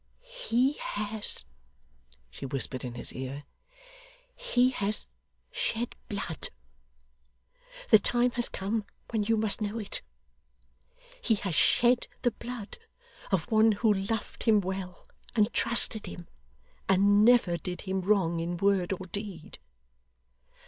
'He has,' she whispered in his ear, 'he has shed blood. The time has come when you must know it. He has shed the blood of one who loved him well, and trusted him, and never did him wrong in word or deed.